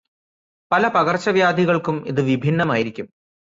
പല പകർച്ചവ്യാധികൾക്കും ഇത് വിഭിന്നമായിരിക്കും.